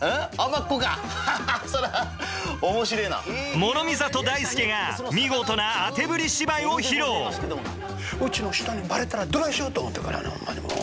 諸見里大介が見事なあてぶり芝居を披露「うちの人にバレたらどないしようと思てるがなホンマにもう」。